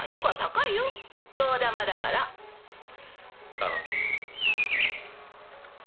頼む。